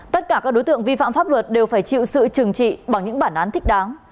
tất cả các đối tượng vi phạm pháp luật đều phải chịu sự trừng trị bằng những bản án thích đáng